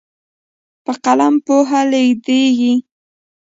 په قلم پوهه لیږدېږي.